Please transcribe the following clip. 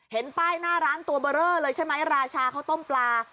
เห็นป้ายหน้าร้านตัวเบอร์เรอเลยใช่ไหมราชาข้าวต้มปลา